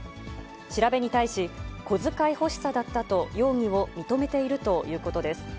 調べに対し、小遣い欲しさだったと、容疑を認めているということです。